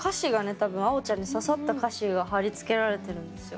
多分あおちゃんに刺さった歌詞が貼り付けられてるんですよ。